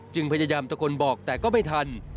พยายามตะโกนบอกแต่ก็ไม่ทัน